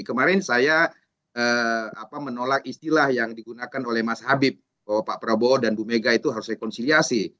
kemarin saya menolak istilah yang digunakan oleh mas habib bahwa pak prabowo dan bu mega itu harus rekonsiliasi